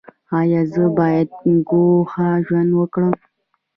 ایا زه باید ګوښه ژوند وکړم؟